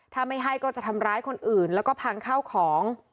ถ้าไม่ให้ก็จะทำร้ายคนอื่นแล้วก็พังข้าวของ